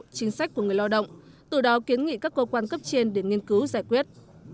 chính sách của người lao động từ đó kiến nghị các cơ quan cấp trên để nghiên cứu giải quyết